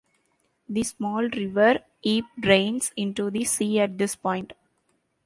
The small River Eype drains into the sea at this point.